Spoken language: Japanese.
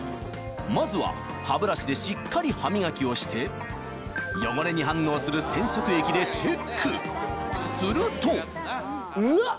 まずは歯ブラシでしっかり歯磨きをして汚れに反応する染色液でするとうわっ！